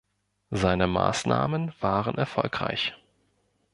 Seine Maßnahmen waren erfolgreich.